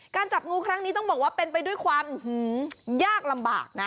จับงูครั้งนี้ต้องบอกว่าเป็นไปด้วยความยากลำบากนะ